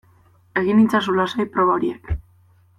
Egin itzazu lasai proba horiek